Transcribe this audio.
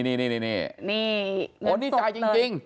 นี่คนที่จ่ายจริง